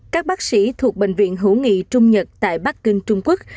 các bác sĩ thuộc bệnh viện hữu nghị trung nhật tại bắc kinh trung quốc